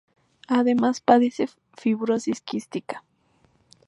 Además, padece fibrosis quística.